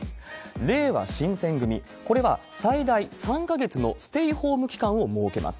れいわ新選組、これは最大３か月のステイホーム期間を設けます。